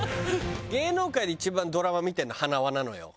芸能界で一番ドラマ見てるの塙なのよ。